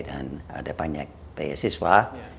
dan ada banyak beasiswa